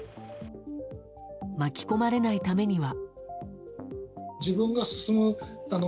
巻き込まれないためには。